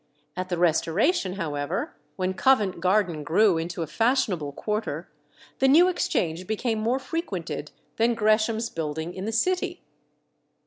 At the Restoration, however, when Covent Garden grew into a fashionable quarter, the New Exchange became more frequented than Gresham's building in the city.